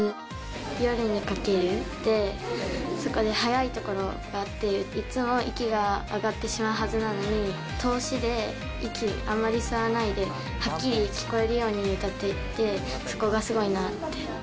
夜に駆けるで、そこではやいところがあって、いつも息が上がってしまうはずなのに通しで息、あまり吸わないで、はっきり聞こえるように歌っていて、そこがすごいなって。